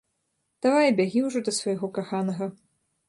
Давай, бягі ўжо да свайго каханага.